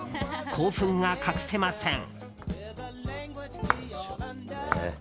興奮が隠せません。